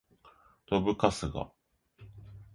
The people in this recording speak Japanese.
どぶカスが